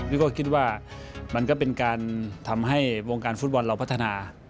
ก็คิดว่ามันก็เป็นการทำให้วงการฟุตบอลเราพัฒนา